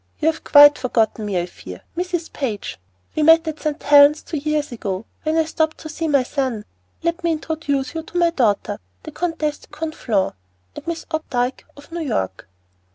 You've quite forgotten me, I fear, Mrs. Page. We met at St. Helen's two years ago when I stopped to see my son. Let me introduce you to my daughter, the Comtesse de Conflans, and Miss Opdyke, of New York."